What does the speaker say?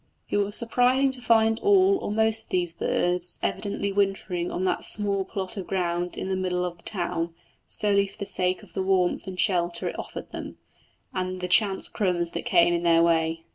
It was surprising to find all or most of these birds evidently wintering on that small plot of ground in the middle of the town, solely for the sake of the warmth and shelter it afforded them, and the chance crumbs that came in their way.